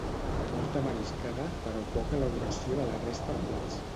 Molta mariscada però poca elaboració de la resta de plats